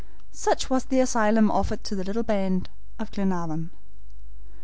Such was the asylum offered to the little band of Glenarvan.